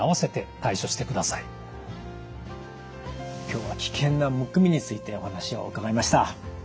今日は危険なむくみについてお話を伺いました。